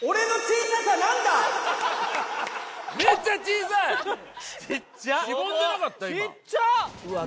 ちっちゃ！